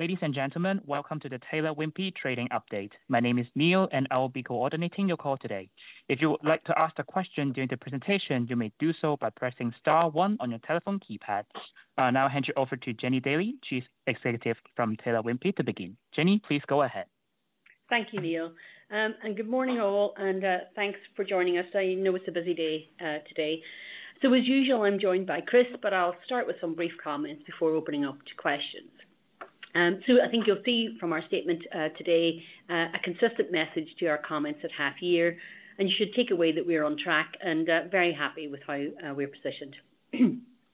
Ladies and gentlemen, welcome to the Taylor Wimpey Trading Update. My name is Neil, and I will be coordinating your call today. If you would like to ask a question during the presentation, you may do so by pressing star one on your telephone keypad. I'll now hand you over to Jennie Daly. She's Executive from Taylor Wimpey to begin. Jennie, please go ahead. Thank you, Neil, and good morning, all, and thanks for joining us. I know it's a busy day today. So, as usual, I'm joined by Chris, but I'll start with some brief comments before opening up to questions. So, I think you'll see from our statement today a consistent message to our comments at half year, and you should take away that we are on track and very happy with how we're positioned.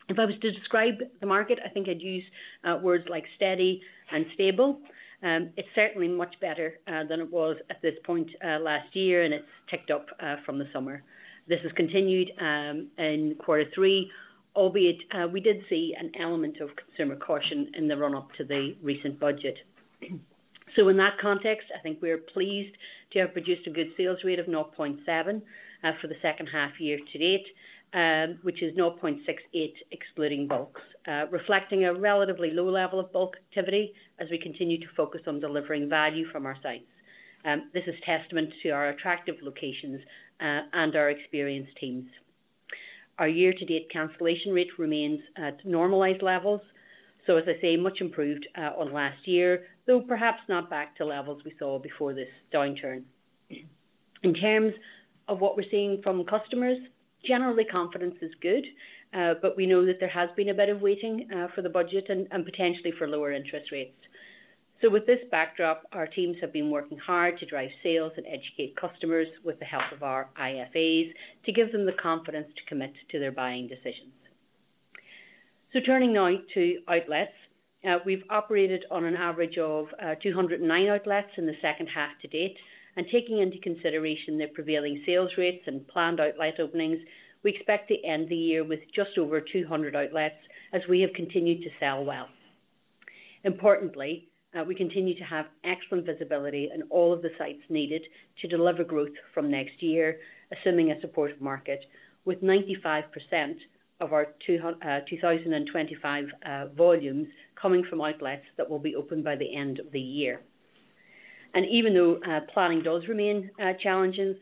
If I was to describe the market, I think I'd use words like steady and stable. It's certainly much better than it was at this point last year, and it's ticked up from the summer. This has continued in quarter three, albeit we did see an element of consumer caution in the run-up to the recent budget. In that context, I think we're pleased to have produced a good sales rate of 0.7 for the second half year to date, which is 0.68 excluding bulks, reflecting a relatively low level of bulk activity as we continue to focus on delivering value from our sites. This is testament to our attractive locations and our experienced teams. Our year-to-date cancellation rate remains at normalized levels. As I say, much improved on last year, though perhaps not back to levels we saw before this downturn. In terms of what we're seeing from customers, generally, confidence is good, but we know that there has been a bit of waiting for the budget and potentially for lower interest rates. With this backdrop, our teams have been working hard to drive sales and educate customers with the help of our IFAs to give them the confidence to commit to their buying decisions. Turning now to outlets, we've operated on an average of 209 outlets in the second half to date, and taking into consideration the prevailing sales rates and planned outlet openings, we expect to end the year with just over 200 outlets as we have continued to sell well. Importantly, we continue to have excellent visibility in all of the sites needed to deliver growth from next year, assuming a supportive market, with 95% of our 2025 volumes coming from outlets that will be open by the end of the year. Even though planning does remain challenging,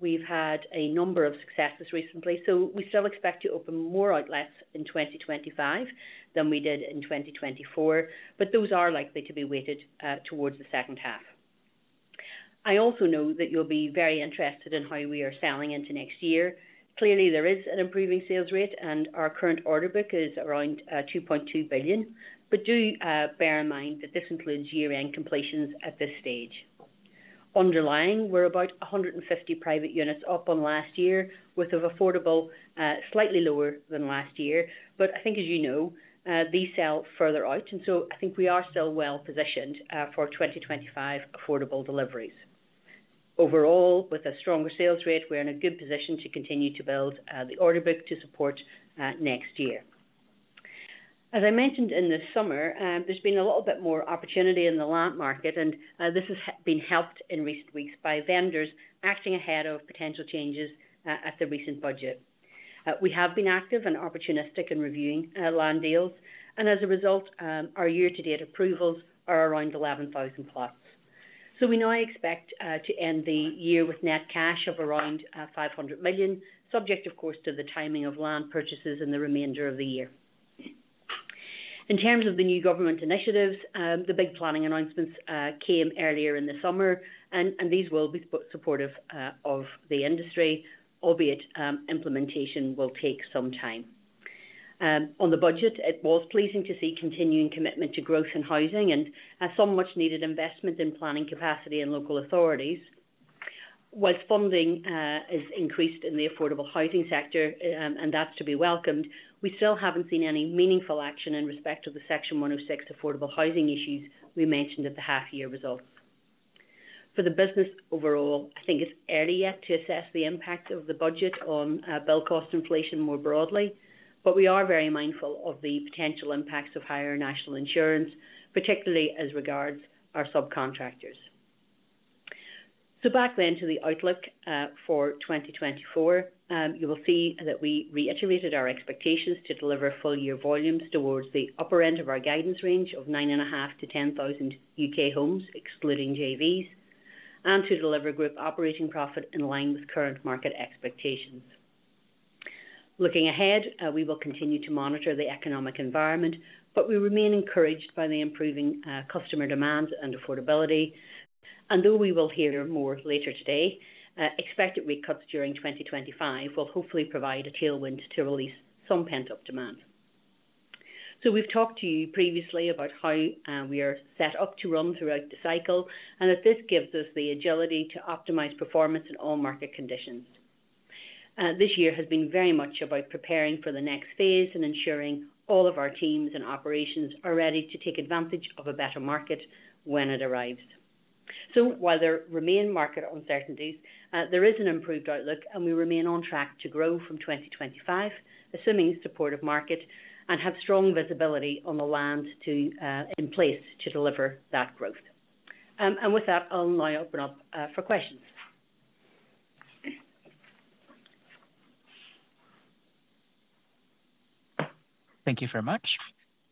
we've had a number of successes recently, so we still expect to open more outlets in 2025 than we did in 2024, but those are likely to be weighted towards the second half. I also know that you'll be very interested in how we are selling into next year. Clearly, there is an improving sales rate, and our current order book is around 2.2 billion, but do bear in mind that this includes year-end completions at this stage. Underlying, we're about 150 private units up on last year, worth of affordable slightly lower than last year, but I think, as you know, these sell further out, and so I think we are still well positioned for 2025 affordable deliveries. Overall, with a stronger sales rate, we're in a good position to continue to build the order book to support next year. As I mentioned in the summer, there's been a little bit more opportunity in the land market, and this has been helped in recent weeks by vendors acting ahead of potential changes at the recent budget. We have been active and opportunistic in reviewing land deals, and as a result, our year-to-date approvals are around 11,000+. So, we now expect to end the year with net cash of around 500 million, subject, of course, to the timing of land purchases in the remainder of the year. In terms of the new government initiatives, the big planning announcements came earlier in the summer, and these will be supportive of the industry, albeit implementation will take some time. On the budget, it was pleasing to see continuing commitment to growth in housing and some much-needed investment in planning capacity and local authorities. While funding has increased in the affordable housing sector, and that's to be welcomed, we still haven't seen any meaningful action in respect of the Section 106 affordable housing issues we mentioned at the half-year results. For the business overall, I think it's early yet to assess the impact of the budget on build cost inflation more broadly, but we are very mindful of the potential impacts of higher National Insurance, particularly as regards our subcontractors. So, back then to the outlook for 2024, you will see that we reiterated our expectations to deliver full-year volumes towards the upper end of our guidance range of 9,500-10,000 U.K. homes, excluding JVs, and to deliver group operating profit in line with current market expectations. Looking ahead, we will continue to monitor the economic environment, but we remain encouraged by the improving customer demand and affordability, and though we will hear more later today, expected rate cuts during 2025 will hopefully provide a tailwind to release some pent-up demand. So, we've talked to you previously about how we are set up to run throughout the cycle, and that this gives us the agility to optimize performance in all market conditions. This year has been very much about preparing for the next phase and ensuring all of our teams and operations are ready to take advantage of a better market when it arrives. So, while there remain market uncertainties, there is an improved outlook, and we remain on track to grow from 2025, assuming supportive market, and have strong visibility on the land in place to deliver that growth. With that, I'll now open up for questions. Thank you very much.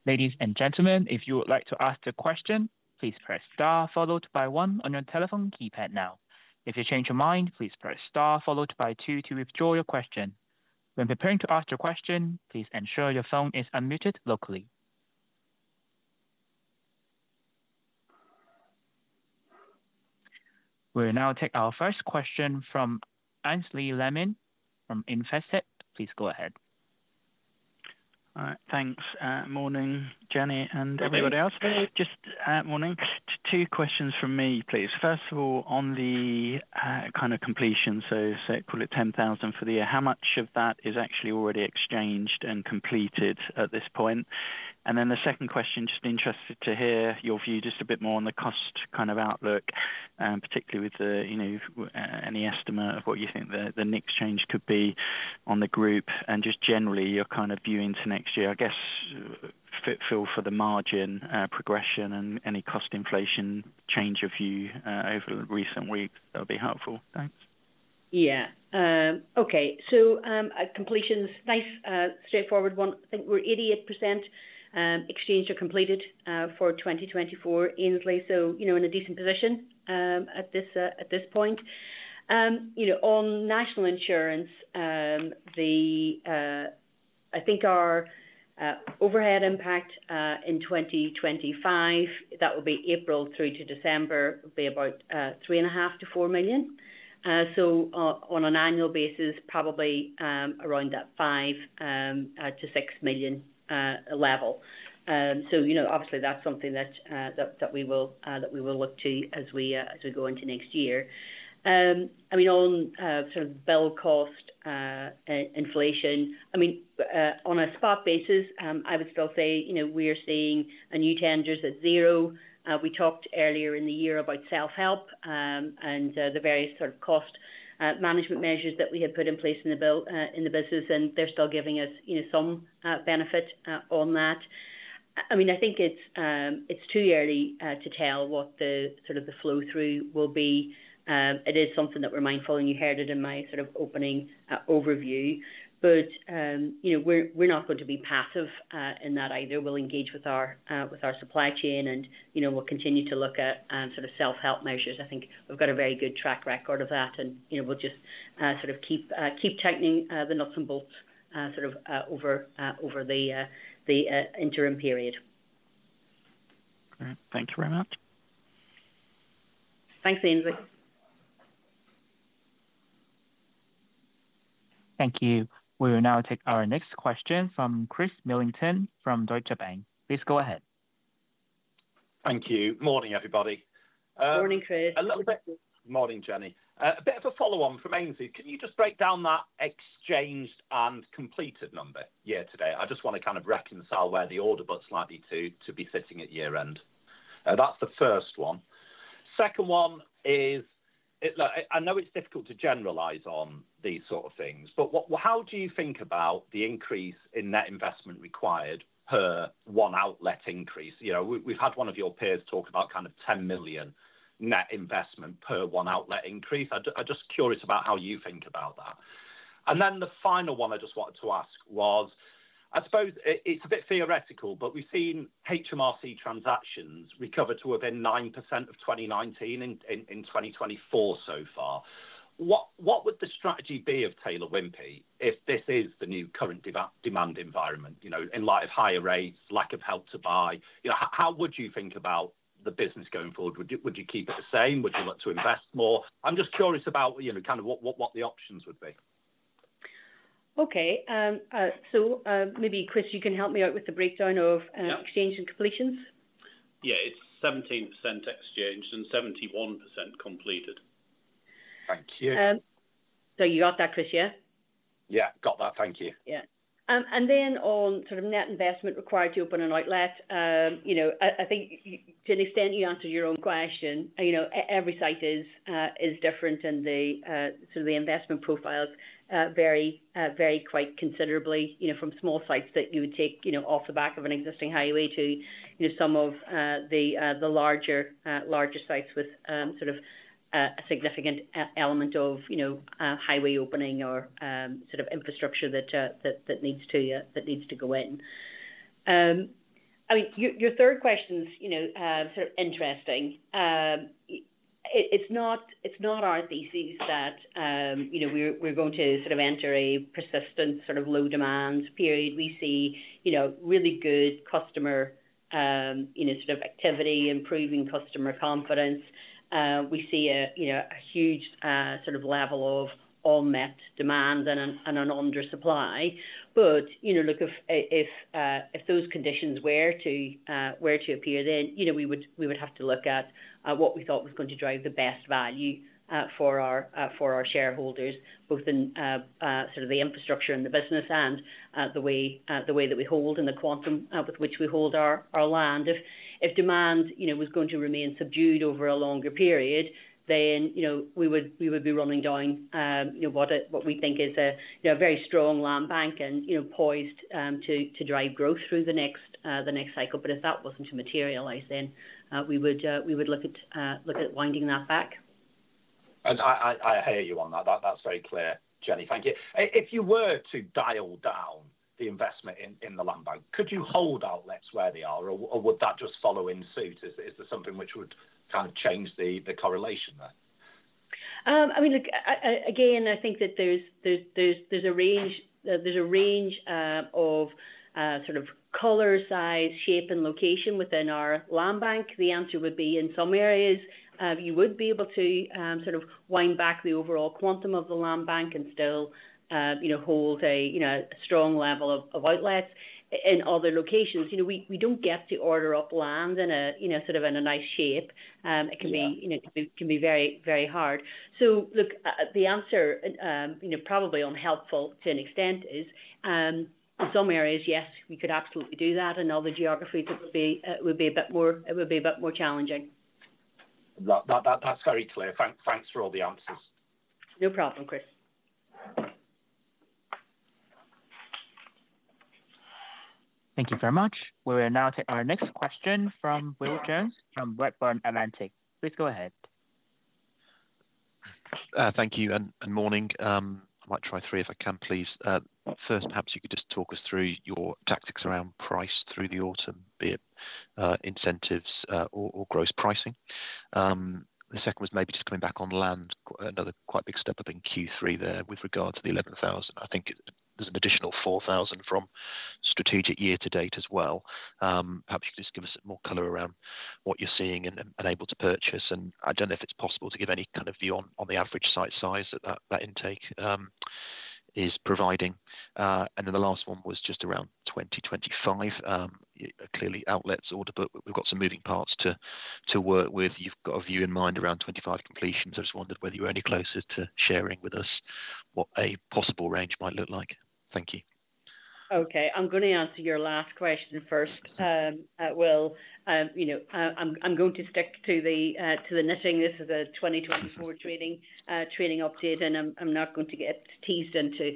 Ladies and gentlemen, if you would like to ask a question, please press star followed by one on your telephone keypad now. If you change your mind, please press star followed by two to withdraw your question. When preparing to ask your question, please ensure your phone is unmuted locally. We'll now take our first question from Aynsley Lammin from Investec. Please go ahead. All right, thanks. Morning, Jennie and everybody else. Just morning. Two questions from me, please. First of all, on the kind of completion, so call it 10,000 for the year, how much of that is actually already exchanged and completed at this point? And then the second question, just interested to hear your view just a bit more on the cost kind of outlook, particularly with any estimate of what you think the next change could be on the group, and just generally your kind of view into next year. I guess it feels for the margin progression and any cost inflation change of view over recent weeks, that'll be helpful. Thanks. Yeah. Okay, so completions, nice straightforward one. I think we're 88% exchanged or completed for 2024 easily, so in a decent position at this point. On national insurance, I think our overhead impact in 2025, that will be April through to December, will be about 3.5 million-4 million. So, on an annual basis, probably around that 5 million-6 million level. So, obviously, that's something that we will look to as we go into next year. I mean, on sort of build cost inflation, I mean, on a spot basis, I would still say we are seeing new tenders at zero. We talked earlier in the year about self-help and the various sort of cost management measures that we had put in place in the business, and they're still giving us some benefit on that. I mean, I think it's too early to tell what the sort of flow through will be. It is something that we're mindful and you heard it in my sort of opening overview, but we're not going to be passive in that either. We'll engage with our supply chain, and we'll continue to look at sort of self-help measures. I think we've got a very good track record of that, and we'll just sort of keep tightening the nuts and bolts sort of over the interim period. All right. Thank you very much. Thanks, Aynsley. Thank you. We will now take our next question from Chris Millington from Deutsche Bank. Please go ahead. Thank you. Morning, everybody. Morning, Chris. Good morning, Jennie. A bit of a follow-on from Aynsley. Can you just break down that exchanged and completed number year-to-date? I just want to kind of reconcile where the order book might be sitting at year-end. That's the first one. Second one is, I know it's difficult to generalize on these sort of things, but how do you think about the increase in net investment required per one outlet increase? We've had one of your peers talk about kind of 10 million net investment per one outlet increase. I'm just curious about how you think about that. And then the final one I just wanted to ask was, I suppose it's a bit theoretical, but we've seen HMRC transactions recover to within 9% of 2019 in 2024 so far. What would the strategy be of Taylor Wimpey if this is the new current demand environment, in light of higher rates, lack of help to buy? How would you think about the business going forward? Would you keep it the same? Would you look to invest more? I'm just curious about kind of what the options would be. Okay, so maybe, Chris, you can help me out with the breakdown of exchange and completions? Yeah, it's 17% exchanged and 71% completed. Thank you. So, you got that, Chris, yeah? Yeah, got that. Thank you. Yeah. And then on sort of net investment required to open an outlet, I think to an extent you answered your own question. Every site is different and the sort of investment profiles vary quite considerably from small sites that you would take off the back of an existing highway to some of the larger sites with sort of a significant element of highway opening or sort of infrastructure that needs to go in. I mean, your third question's sort of interesting. It's not our thesis that we're going to sort of enter a persistent sort of low demand period. We see really good customer sort of activity, improving customer confidence. We see a huge sort of level of unmet demand and an undersupply. But look, if those conditions were to appear, then we would have to look at what we thought was going to drive the best value for our shareholders, both in sort of the infrastructure and the business and the way that we hold and the quantum with which we hold our land. If demand was going to remain subdued over a longer period, then we would be running down what we think is a very strong land bank and poised to drive growth through the next cycle. But if that wasn't to materialize, then we would look at winding that back. I hear you on that. That's very clear, Jennie. Thank you. If you were to dial down the investment in the land bank, could you hold outlets where they are, or would that just follow suit? Is there something which would kind of change the correlation there? I mean, look, again, I think that there's a range of sort of color, size, shape, and location within our land bank. The answer would be in some areas, you would be able to sort of wind back the overall quantum of the land bank and still hold a strong level of outlets. In other locations, we don't get to order up land in a sort of nice shape. It can be very hard. So, look, the answer, probably unhelpful to an extent, is in some areas, yes, we could absolutely do that. In other geographies, it would be a bit more challenging. That's very clear. Thanks for all the answers. No problem, Chris. Thank you very much. We will now take our next question from Will Jones from Redburn Atlantic. Please go ahead. Thank you and morning. I might try three if I can, please. First, perhaps you could just talk us through your tactics around price through the autumn, be it incentives or gross pricing. The second was maybe just coming back on land, another quite big step up in Q3 there with regard to the 11,000. I think there's an additional 4,000 from strategic year-to-date as well. Perhaps you could just give us more color around what you're seeing and able to purchase, and I don't know if it's possible to give any kind of view on the average site size that that intake is providing, and then the last one was just around 2025. Clearly, outlets ordered, but we've got some moving parts to work with. You've got a view in mind around 25 completions. I just wondered whether you were any closer to sharing with us what a possible range might look like? Thank you. Okay. I'm going to answer your last question first, Will. I'm going to stick to the knitting. This is a 2024 trading update, and I'm not going to get teased into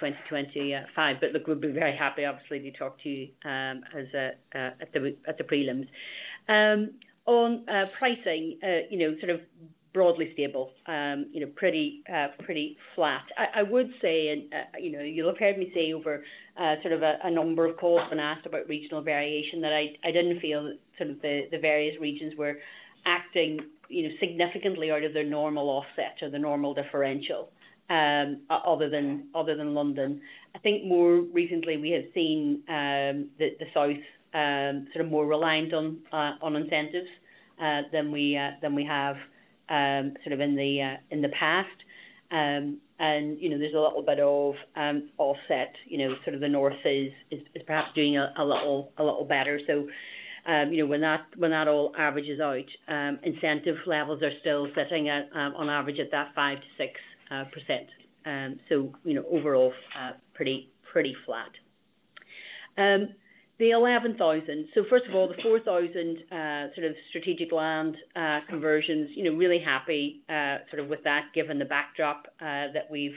2025. But look, we'll be very happy, obviously, to talk to you at the prelims. On pricing, sort of broadly stable, pretty flat. I would say, and you'll have heard me say over sort of a number of calls when asked about regional variation, that I didn't feel sort of the various regions were acting significantly out of their normal offset or the normal differential other than London. I think more recently, we have seen the South sort of more reliant on incentives than we have sort of in the past. And there's a little bit of offset. Sort of the North is perhaps doing a little better. So, when that all averages out, incentive levels are still sitting on average at that 5%-6%. Overall, pretty flat. The 11,000. First of all, the 4,000 sort of strategic land conversions, really happy sort of with that, given the backdrop that we've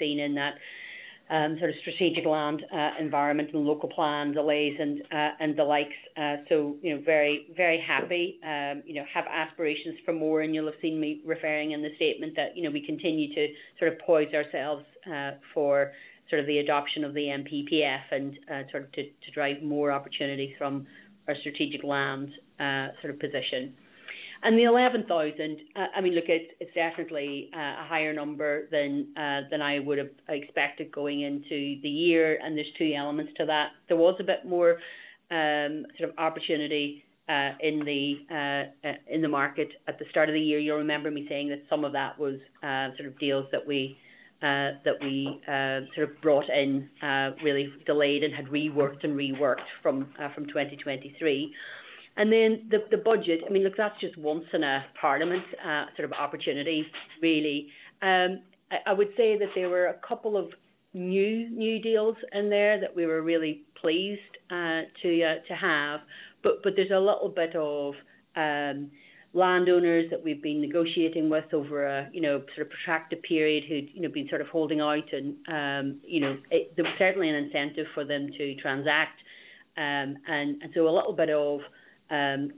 seen in that sort of strategic land environment and local plan delays and the likes. Very happy. Have aspirations for more, and you'll have seen me referring in the statement that we continue to sort of position ourselves for sort of the adoption of the NPPF and sort of to drive more opportunities from our strategic land sort of position, and the 11,000. I mean, look, it's definitely a higher number than I would have expected going into the year, and there's two elements to that. There was a bit more sort of opportunity in the market at the start of the year. You'll remember me saying that some of that was sort of deals that we sort of brought in, really delayed and had reworked and reworked from 2023, and then the budget, I mean, look, that's just once in a parliament sort of opportunity, really. I would say that there were a couple of new deals in there that we were really pleased to have, but there's a little bit of landowners that we've been negotiating with over a sort of protracted period who've been sort of holding out, and there was certainly an incentive for them to transact, and so, a little bit of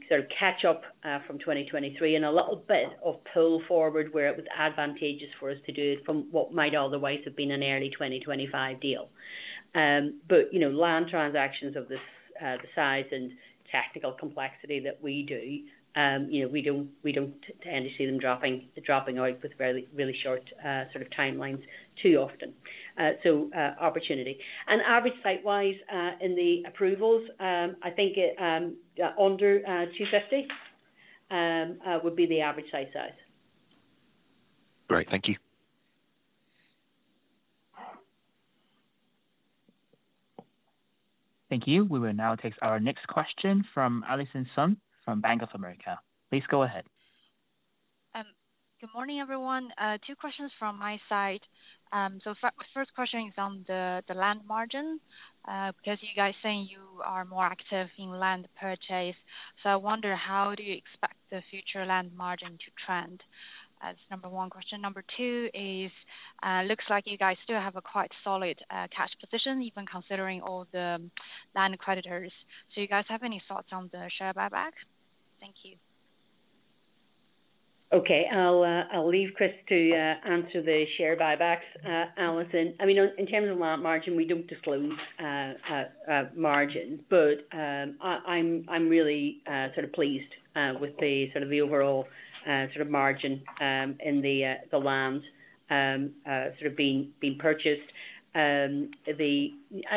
sort of catch-up from 2023 and a little bit of pull forward where it was advantageous for us to do it from what might otherwise have been an early 2025 deal. But land transactions of this size and technical complexity that we do, we don't tend to see them dropping out with really short sort of timelines too often. So, opportunity. And average site-wise in the approvals, I think under 250 would be the average site size. Great. Thank you. Thank you. We will now take our next question from Allison Sun from Bank of America. Please go ahead. Good morning, everyone. Two questions from my side. So, first question is on the land margin because you guys say you are more active in land purchase. So, I wonder how do you expect the future land margin to trend? That's number one question. Number two is, looks like you guys still have a quite solid cash position, even considering all the land creditors. So, you guys have any thoughts on the share buyback? Thank you. Okay. I'll leave Chris to answer the share buybacks, Allison. I mean, in terms of land margin, we don't disclose margin, but I'm really sort of pleased with the sort of overall sort of margin in the land sort of being purchased. I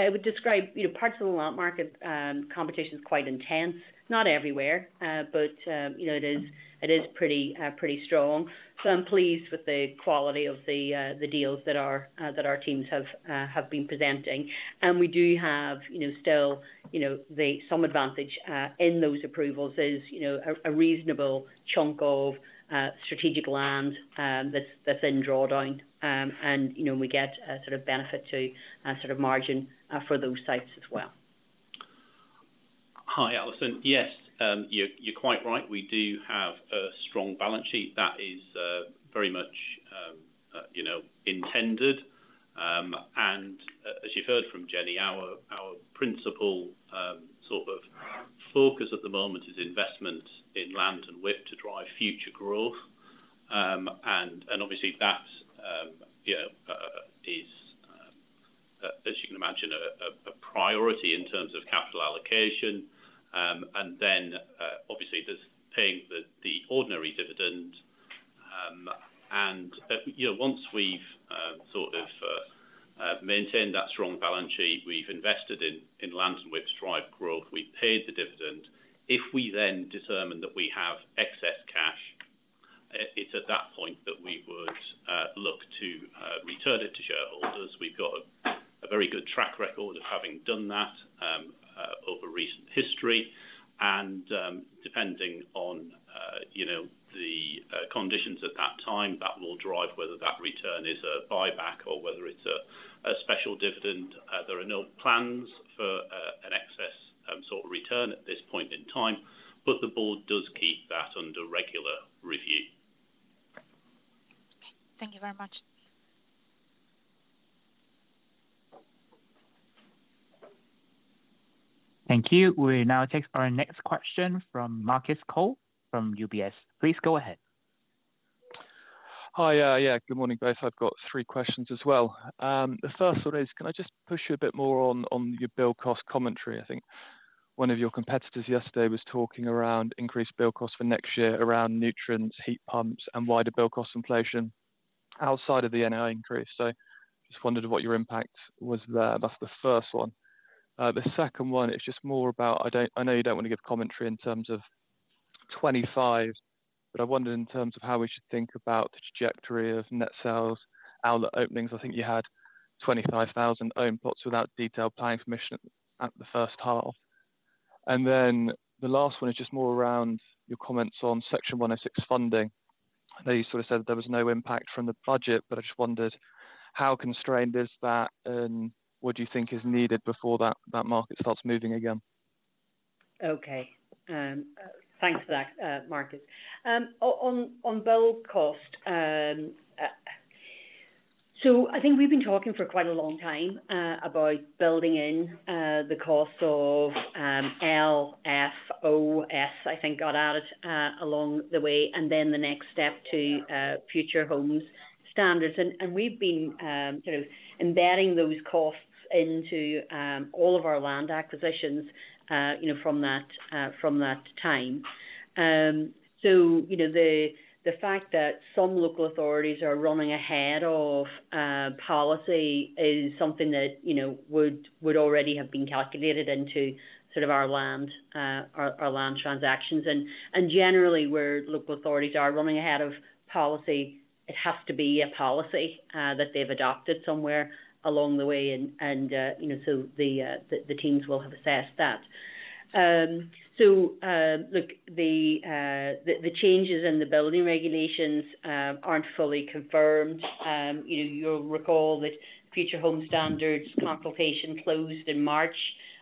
would describe parts of the land market competition is quite intense. Not everywhere, but it is pretty strong. So, I'm pleased with the quality of the deals that our teams have been presenting. And we do have still some advantage in those approvals. There's a reasonable chunk of strategic land that's in drawdown, and we get sort of benefit to sort of margin for those sites as well. Hi, Allison. Yes, you're quite right. We do have a strong balance sheet. That is very much intended, and as you've heard from Jennie, our principal sort of focus at the moment is investment in land and WIP to drive future growth. And obviously, that is, as you can imagine, a priority in terms of capital allocation. And then, obviously, there's paying the ordinary dividend. And once we've sort of maintained that strong balance sheet, we've invested in land and WIP to drive growth, we've paid the dividend. If we then determine that we have excess cash, it's at that point that we would look to return it to shareholders. We've got a very good track record of having done that over recent history. And depending on the conditions at that time, that will drive whether that return is a buyback or whether it's a special dividend. There are no plans for an excess sort of return at this point in time, but the board does keep that under regular review. Thank you very much. Thank you. We now take our next question from Marcus Cole from UBS. Please go ahead. Hi. Yeah, good morning, guys. I've got three questions as well. The first one is, can I just push you a bit more on your build cost commentary? I think one of your competitors yesterday was talking around increased build costs for next year around nutrients, heat pumps, and wider build cost inflation outside of the NI increase. So, just wondered what your impact was there. That's the first one. The second one, it's just more about, I know you don't want to give commentary in terms of 25, but I wondered in terms of how we should think about the trajectory of net sales, outlet openings. I think you had 25,000 owned plots without detailed planning permission at the first half. And then the last one is just more around your comments on Section 106 funding. I know you sort of said there was no impact from the budget, but I just wondered how constrained is that and what do you think is needed before that market starts moving again? Okay. Thanks for that, Marcus. On build cost, so I think we've been talking for quite a long time about building in the Parts L, F, O, and S I think, got added along the way, and then the next step to Future Homes Standard. And we've been sort of embedding those costs into all of our land acquisitions from that time. So, the fact that some local authorities are running ahead of policy is something that would already have been calculated into sort of our land transactions. And generally, where local authorities are running ahead of policy, it has to be a policy that they've adopted somewhere along the way. And so, the teams will have assessed that. So, look, the changes in the building regulations aren't fully confirmed. You'll recall that Future Homes Standard consultation closed in March.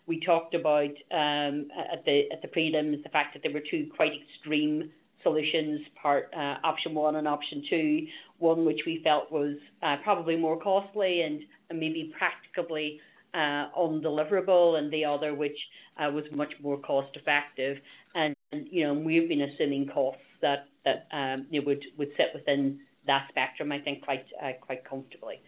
We talked about at the prelims the fact that there were two quite extreme solutions, option one and option two. One which we felt was probably more costly and maybe practically undeliverable, and the other which was much more cost-effective, and we've been assuming costs that would sit within that spectrum, I think, quite comfortably.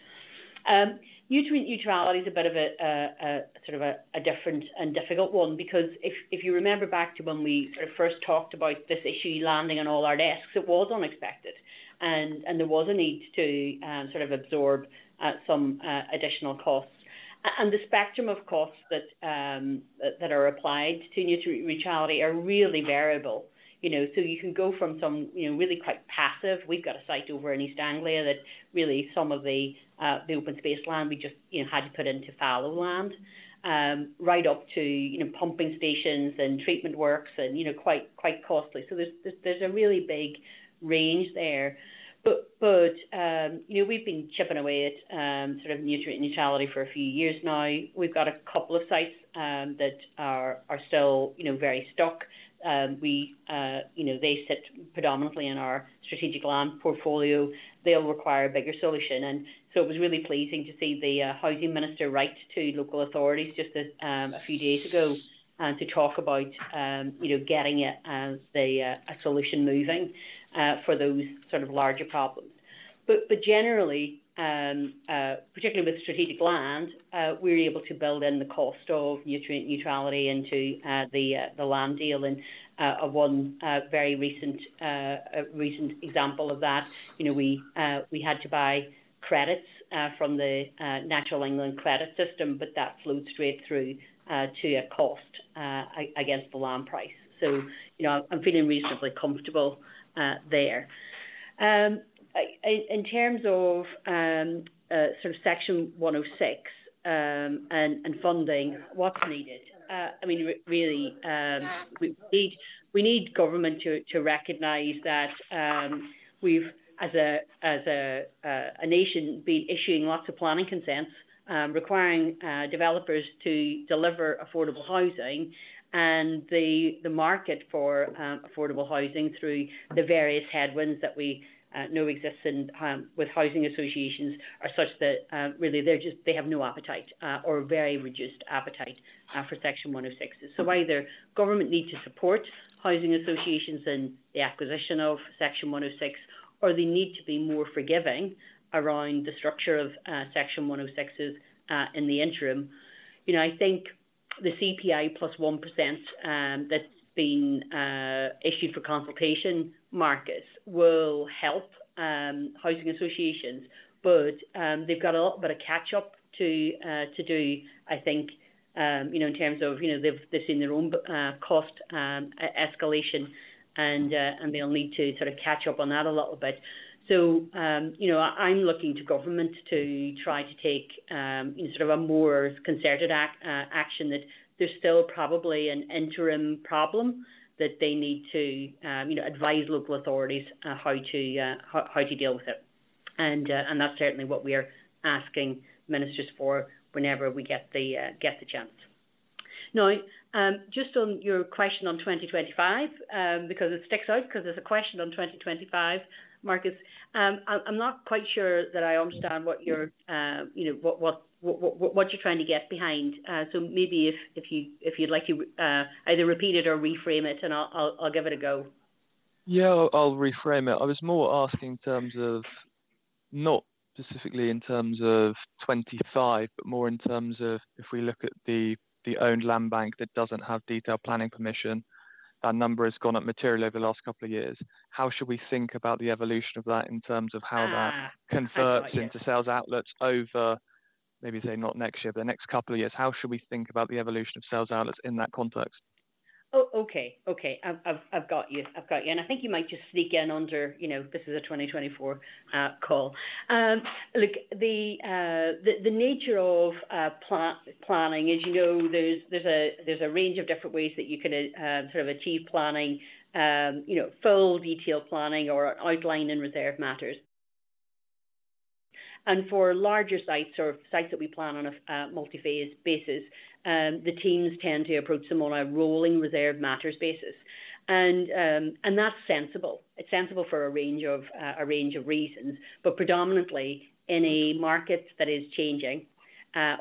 Nutrient neutrality is a bit of a sort of a different and difficult one because if you remember back to when we sort of first talked about this issue landing on all our desks, it was unexpected, and there was a need to sort of absorb some additional costs, and the spectrum of costs that are applied to nutrient neutrality are really variable. So, you can go from some really quite passive, we've got a site over in East Anglia that really some of the open space land we just had to put into fallow land, right up to pumping stations and treatment works and quite costly. So, there's a really big range there. But we've been chipping away at sort of nutrient neutrality for a few years now. We've got a couple of sites that are still very stuck. They sit predominantly in our strategic land portfolio. They'll require a bigger solution. And so, it was really pleasing to see the housing minister write to local authorities just a few days ago to talk about getting it as a solution moving for those sort of larger problems. But generally, particularly with strategic land, we're able to build in the cost of nutrient neutrality into the land deal. And one very recent example of that, we had to buy credits from the Natural England Credit System, but that flowed straight through to a cost against the land price. So, I'm feeling reasonably comfortable there. In terms of sort of Section 106 and funding, what's needed? I mean, really, we need government to recognize that we've, as a nation, been issuing lots of planning consents requiring developers to deliver affordable housing. And the market for affordable housing through the various headwinds that we know exist with housing associations are such that really they have no appetite or very reduced appetite for Section 106. So, either government needs to support housing associations in the acquisition of Section 106, or they need to be more forgiving around the structure of Section 106 in the interim. I think the CPI +1% that's been issued for consultation, Marcus, will help housing associations. But they've got a little bit of catch-up to do, I think, in terms of they've seen their own cost escalation, and they'll need to sort of catch up on that a little bit. So, I'm looking to government to try to take sort of a more concerted action, that there's still probably an interim problem that they need to advise local authorities how to deal with it. And that's certainly what we're asking ministers for whenever we get the chance. Now, just on your question on 2025, because it sticks out, because there's a question on 2025, Marcus, I'm not quite sure that I understand what you're trying to get behind. So, maybe if you'd like to either repeat it or reframe it, and I'll give it a go. Yeah, I'll reframe it. I was more asking in terms of not specifically in terms of 25, but more in terms of if we look at the owned land bank that doesn't have detailed planning permission, that number has gone up materially over the last couple of years. How should we think about the evolution of that in terms of how that converts into sales outlets over, maybe say not next year, but the next couple of years? How should we think about the evolution of sales outlets in that context? Oh, okay. Okay. I've got you. I've got you. And I think you might just sneak in under this. It's a 2024 call. Look, the nature of planning, as you know, there's a range of different ways that you can sort of achieve planning, full detailed planning or outline and reserved matters. And for larger sites or sites that we plan on a multi-phase basis, the teams tend to approach them on a rolling reserved matters basis. And that's sensible. It's sensible for a range of reasons. But predominantly, in a market that is changing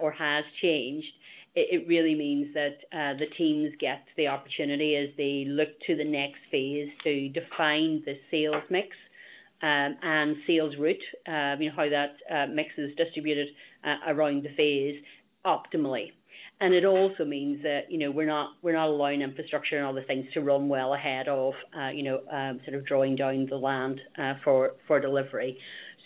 or has changed, it really means that the teams get the opportunity as they look to the next phase to define the sales mix and sales route, how that mix is distributed around the phase optimally. It also means that we're not allowing infrastructure and other things to run well ahead of sort of drawing down the land for delivery.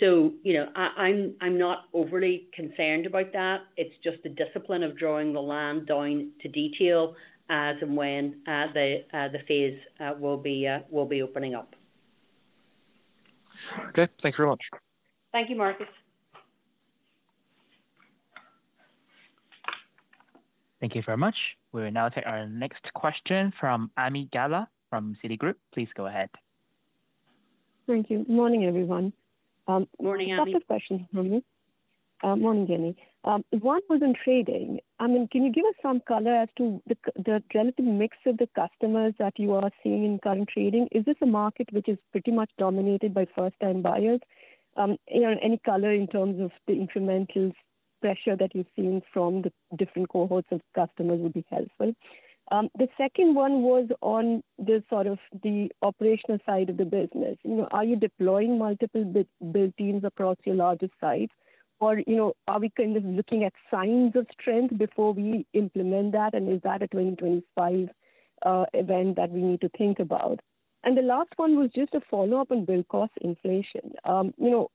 I'm not overly concerned about that. It's just the discipline of drawing the land down to detail as and when the phase will be opening up. Okay. Thanks very much. Thank you, Marcus. Thank you very much. We will now take our next question from Ami Galla from Citi. Please go ahead. Thank you. Morning, everyone. Morning, Amy. Just a question from you. Morning, Jennie. One was in trading. I mean, can you give us some color as to the relative mix of the customers that you are seeing in current trading? Is this a market which is pretty much dominated by first-time buyers? Any color in terms of the incremental pressure that you've seen from the different cohorts of customers would be helpful. The second one was on the sort of the operational side of the business. Are you deploying multiple build teams across your largest sites? Or are we kind of looking at signs of strength before we implement that? And is that a 2025 event that we need to think about? And the last one was just a follow-up on build cost inflation. As you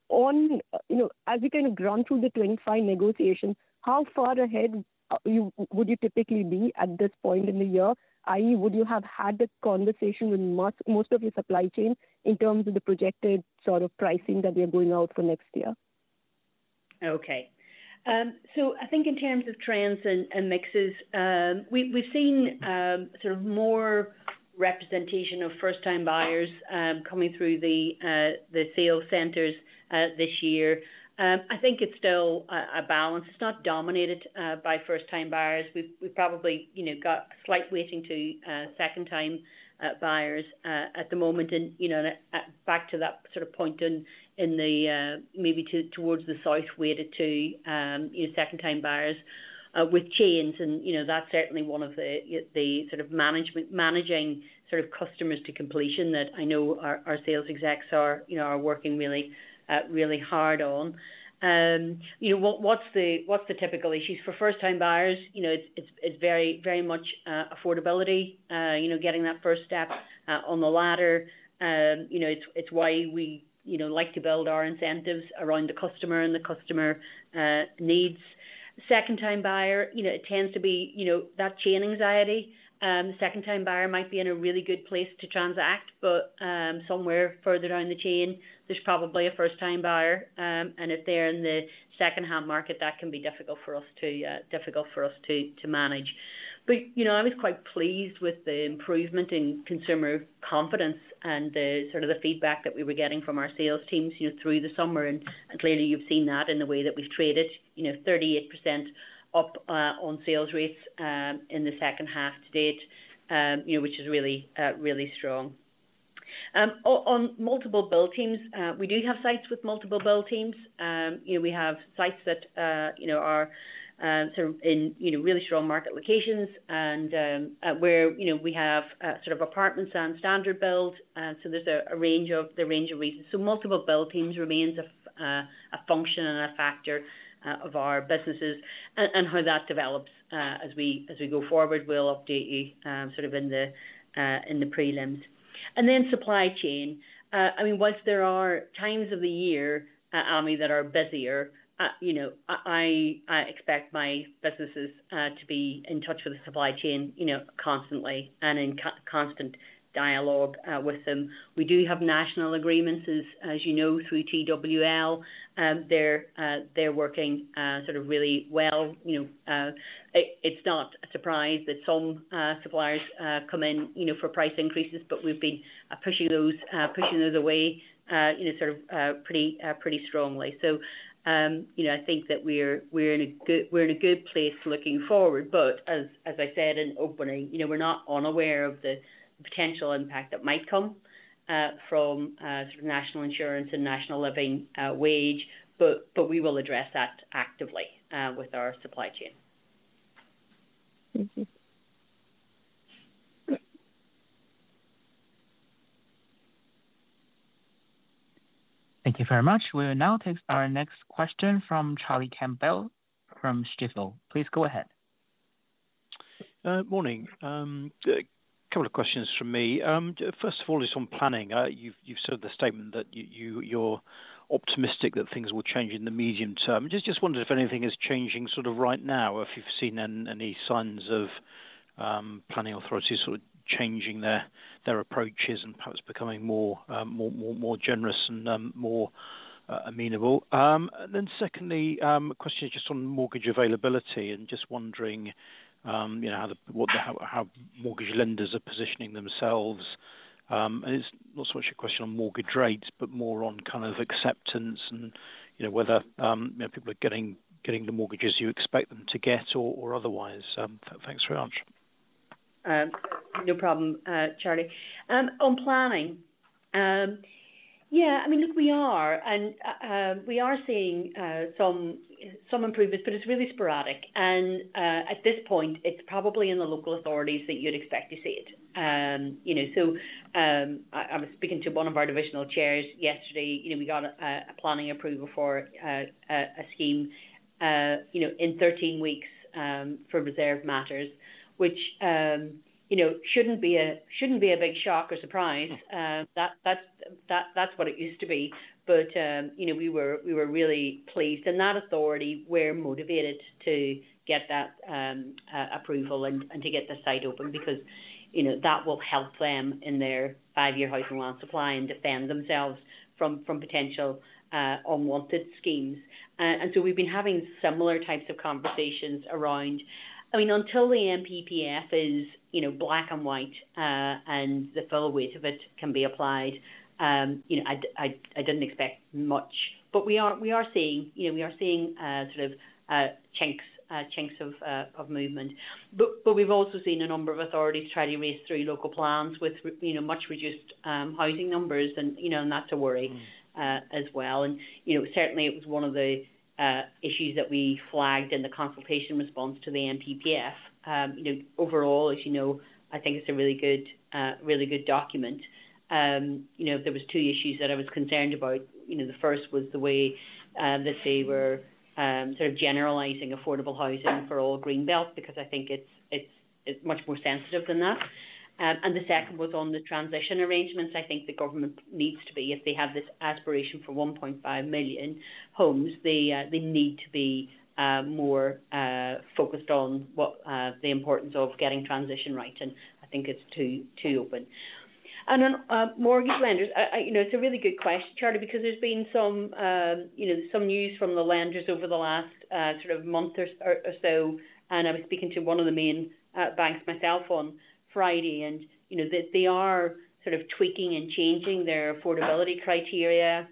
kind of run through the 25 negotiations, how far ahead would you typically be at this point in the year? I.e., would you have had the conversation with most of your supply chain in terms of the projected sort of pricing that they're going out for next year? Okay. So, I think in terms of trends and mixes, we've seen sort of more representation of first-time buyers coming through the sales centers this year. I think it's still a balance. It's not dominated by first-time buyers. We've probably got slight weighting to second-time buyers at the moment. And back to that sort of point in the maybe towards the south weighted to second-time buyers with chains. And that's certainly one of the sort of managing sort of customers to completion that I know our sales execs are working really, really hard on. What's the typical issues? For first-time buyers, it's very much affordability, getting that first step on the ladder. It's why we like to build our incentives around the customer and the customer needs. Second-time buyer, it tends to be that chain anxiety. Second-time buyer might be in a really good place to transact, but somewhere further down the chain, there's probably a first-time buyer, and if they're in the second-hand market, that can be difficult for us to manage, but I was quite pleased with the improvement in consumer confidence and sort of the feedback that we were getting from our sales teams through the summer, and clearly, you've seen that in the way that we've traded 38% up on sales rates in the second half to date, which is really, really strong. On multiple build teams, we do have sites with multiple build teams. We have sites that are sort of in really strong market locations and where we have sort of apartments and standard build, so there's a range of reasons, so multiple build teams remains a function and a factor of our businesses. How that develops as we go forward, we'll update you sort of in the prelims. Then supply chain. I mean, once there are times of the year, Amy, that are busier, I expect my businesses to be in touch with the supply chain constantly and in constant dialogue with them. We do have national agreements, as you know, through TWL. They're working sort of really well. It's not a surprise that some suppliers come in for price increases, but we've been pushing those away sort of pretty strongly. I think that we're in a good place looking forward. As I said in opening, we're not unaware of the potential impact that might come from sort of National Insurance and National Living Wage. We will address that actively with our supply chain. Thank you. Thank you very much. We will now take our next question from Charlie Campbell from Stifel. Please go ahead. Morning. A couple of questions from me. First of all, it's on planning. You've said the statement that you're optimistic that things will change in the medium term. Just wondered if anything is changing sort of right now, if you've seen any signs of planning authorities sort of changing their approaches and perhaps becoming more generous and more amenable. And then secondly, a question just on mortgage availability and just wondering how mortgage lenders are positioning themselves. And it's not so much a question on mortgage rates, but more on kind of acceptance and whether people are getting the mortgages you expect them to get or otherwise. Thanks very much. No problem, Charlie. On planning, yeah. I mean, look, we are, and we are seeing some improvements, but it's really sporadic. And at this point, it's probably in the local authorities that you'd expect to see it. So, I was speaking to one of our divisional chairs yesterday. We got a planning approval for a scheme in 13 weeks for reserved matters, which shouldn't be a big shock or surprise. That's what it used to be. But we were really pleased. And that authority, we're motivated to get that approval and to get the site open because that will help them in their five-year housing land supply and defend themselves from potential unwanted schemes. And so, we've been having similar types of conversations around. I mean, until the NPPF is black and white and the full weight of it can be applied, I didn't expect much. But we are seeing sort of chunks of movement. But we've also seen a number of authorities try to race through local plans with much reduced housing numbers. And that's a worry as well. And certainly, it was one of the issues that we flagged in the consultation response to the NPPF. Overall, as you know, I think it's a really good document. There were two issues that I was concerned about. The first was the way that they were sort of generalizing affordable housing for all Green Belt because I think it's much more sensitive than that. And the second was on the transition arrangements. I think the government needs to be, if they have this aspiration for 1.5 million homes, they need to be more focused on the importance of getting transition right. And I think it's too open. On mortgage lenders, it's a really good question, Charlie, because there's been some news from the lenders over the last sort of month or so. I was speaking to one of the main banks myself on Friday. They are sort of tweaking and changing their affordability criteria.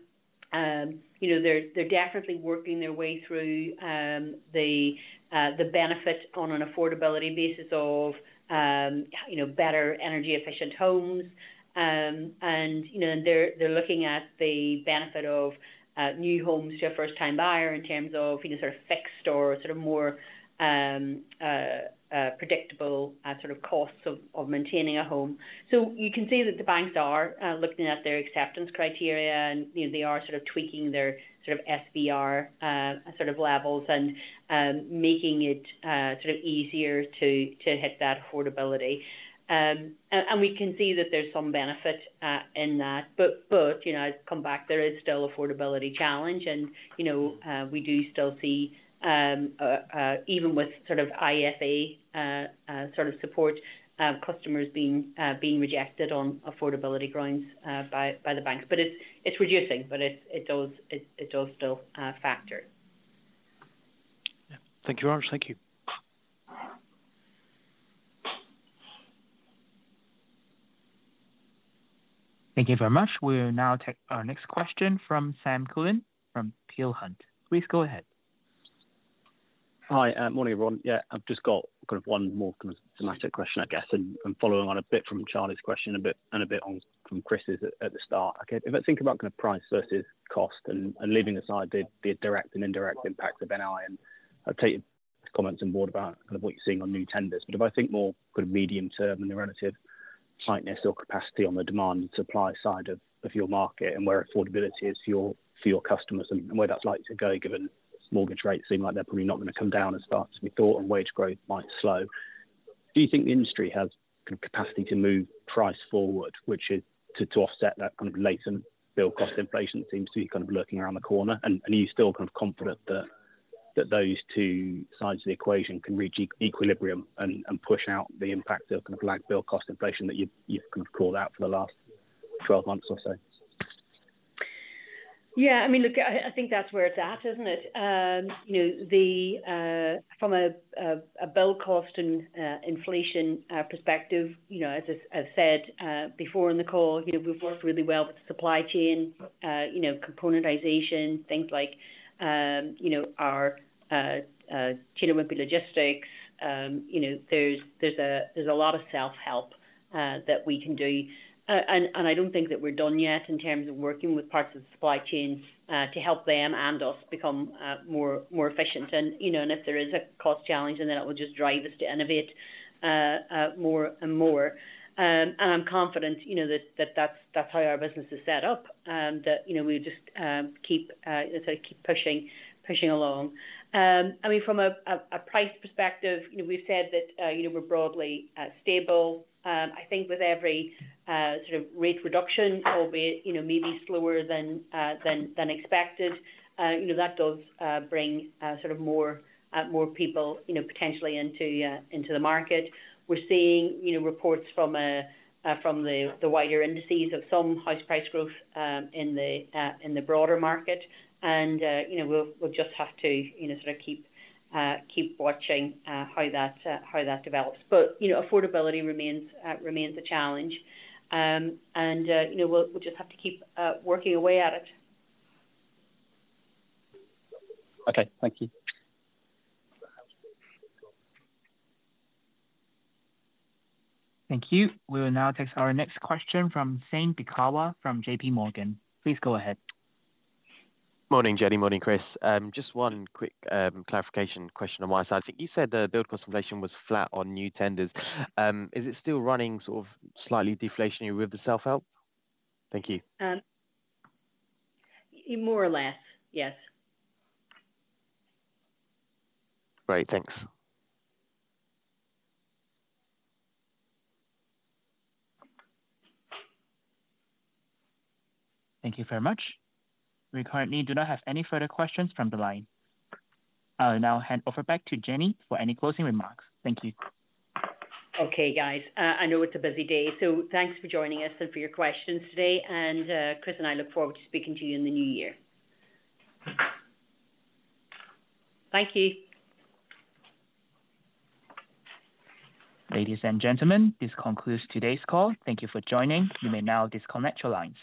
They're definitely working their way through the benefit on an affordability basis of better energy-efficient homes. They're looking at the benefit of new homes to a first-time buyer in terms of sort of fixed or sort of more predictable sort of costs of maintaining a home. You can see that the banks are looking at their acceptance criteria. They are sort of tweaking their sort of SVR sort of levels and making it sort of easier to hit that affordability. We can see that there's some benefit in that. But I'd come back, there is still affordability challenge. And we do still see, even with sort of IFA sort of support, customers being rejected on affordability grounds by the banks. But it's reducing, but it does still factor. Thank you very much. Thank you. Thank you very much. We will now take our next question from Sam Cullen from Peel Hunt. Please go ahead. Hi. Morning, everyone. Yeah, I've just got kind of one more kind of thematic question, I guess, and following on a bit from Charlie's question and a bit from Chris's at the start. If I think about kind of price versus cost and leaving aside the direct and indirect impact of NI, and I've taken comments on board about kind of what you're seeing on new tenders. But if I think more kind of medium-term and the relative tightness or capacity on the demand and supply side of your market and where affordability is for your customers and where that's likely to go, given mortgage rates seem like they're probably not going to come down as fast as we thought and wage growth might slow, do you think the industry has kind of capacity to move price forward, which is to offset that kind of latent build cost inflation that seems to be kind of lurking around the corner? And are you still kind of confident that those two sides of the equation can reach equilibrium and push out the impact of kind of lagged build cost inflation that you've kind of called out for the last 12 months or so? Yeah. I mean, look, I think that's where it's at, isn't it? From a build cost and inflation perspective, as I've said before in the call, we've worked really well with supply chain componentization, things like our chain of logistics. There's a lot of self-help that we can do, and I don't think that we're done yet in terms of working with parts of the supply chain to help them and us become more efficient, and if there is a cost challenge, then that will just drive us to innovate more and more, and I'm confident that that's how our business is set up, that we'll just keep pushing along. I mean, from a price perspective, we've said that we're broadly stable. I think with every sort of rate reduction, albeit maybe slower than expected, that does bring sort of more people potentially into the market. We're seeing reports from the wider indices of some house price growth in the broader market. And we'll just have to sort of keep watching how that develops. But affordability remains a challenge. And we'll just have to keep working away at it. Okay. Thank you. Thank you. We will now take our next question from Zaim Beekawa from JPMorgan. Please go ahead. Morning, Jennie. Morning, Chris. Just one quick clarification question on my side. I think you said the build cost inflation was flat on new tenders. Is it still running sort of slightly deflationary with the self-help? Thank you. More or less, yes. Great. Thanks. Thank you very much. We currently do not have any further questions from the line. I'll now hand over back to Jennie for any closing remarks. Thank you. Okay, guys. I know it's a busy day. So, thanks for joining us and for your questions today, and Chris and I look forward to speaking to you in the new year. Thank you. Ladies and gentlemen, this concludes today's call. Thank you for joining. You may now disconnect your lines.